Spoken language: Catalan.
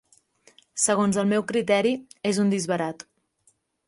Segons el meu criteri, és un disbarat.